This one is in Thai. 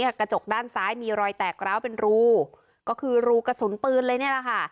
กระจกด้านซ้ายมีรอยแตกร้าวเป็นรูก็คือรูกระสุนปืนเลยนี่แหละค่ะ